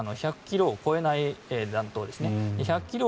１００ｋｍを超えない弾頭ですね。